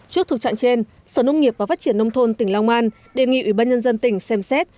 trước thực trạng trên sở nông nghiệp và phát triển nông thôn tỉnh long an đề nghị ủy ban nhân dân tỉnh xem xét